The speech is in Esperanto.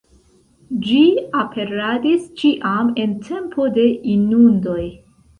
Ĝi aperadis ĉiam en tempo de inundoj.